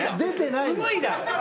紡いだ？